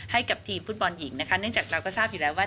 ให้กับทีมฟุตบอลหญิงนะคะเนื่องจากเราก็ทราบอยู่แล้วว่า